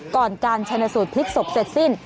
ก่อนการช้าหนสูตรพลิกสมัยเสร็จสิ้น